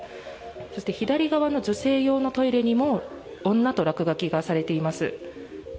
そして左側の女性用のトイレにも「女」と落書きがされています。